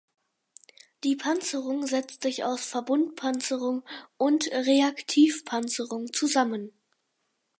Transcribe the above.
Die Panzerung setzt sich aus Verbundpanzerung und Reaktivpanzerung zusammen.